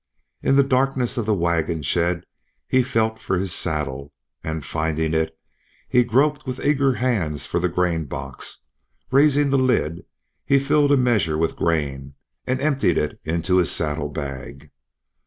In the darkness of the wagon shed he felt for his saddle, and finding it, he groped with eager hands for the grain box; raising the lid he filled a measure with grain, and emptied it into his saddle bag.